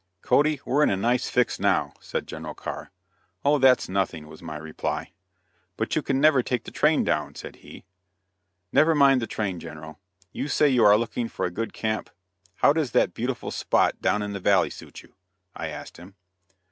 "Cody, we're in a nice fix now," said General Carr. "Oh, that's nothing," was my reply. "But you can never take the train down," said he. "Never you mind the train, General. You say you are looking for a good camp. How does that beautiful spot down in the valley suit you?" I asked him.